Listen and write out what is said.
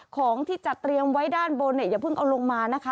ของที่จะเตรียมไว้ด้านบนเนี่ยอย่าเพิ่งเอาลงมานะคะ